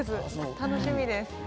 楽しみです。